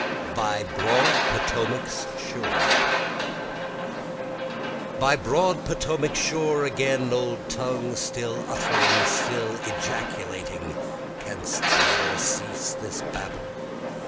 By Broad Potomac's Shore By broad Potomac's shore, again old tongue, (Still uttering, still ejaculating, canst never cease this babble?)